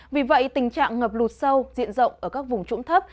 vì vậy tình trạng ngập lụt sâu diện rộng ở các vùng trũng thấp